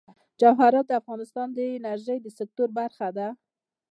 جواهرات د افغانستان د انرژۍ سکتور برخه ده.